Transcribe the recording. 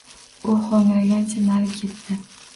U hoʻngragancha nari ketdi.